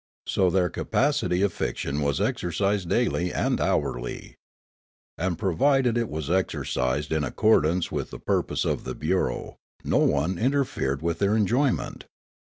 So their capacity of fiction was exercised daily and liourl3\ And provided it was exercised in accordance with the purpose of the bureau, no one interfered with their enjoyment.